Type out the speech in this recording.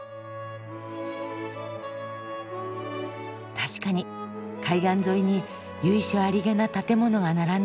確かに海岸沿いに由緒ありげな建物が並んでる。